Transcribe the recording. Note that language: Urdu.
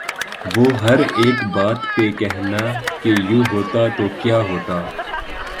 وہ ہر ایک بات پہ کہنا کہ یوں ہوتا تو کیا ہوتا